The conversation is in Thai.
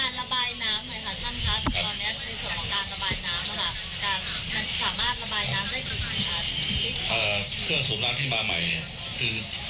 มันสามารถระบายน้ำได้ที่สุดค่ะอ่าเครื่องสูบน้ำที่มาใหม่คือ